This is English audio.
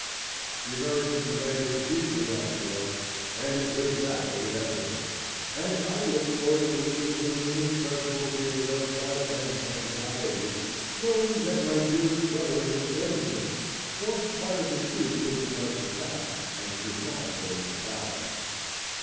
The American Commander in Chief was at New York, and a great battle inevitable; and I looked forward to it with an inexpressible feeling of doubt and anxiety, knowing that my dearest brother and his regiment formed part of the troops whom we must attack, and could not but overpower.